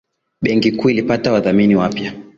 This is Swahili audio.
Bengi kuu lilipata wadhamini wapya.